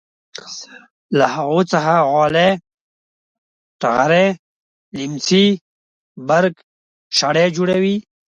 له هغو څخه غالۍ ټغرې لیمڅي برک شړۍ جوړوي.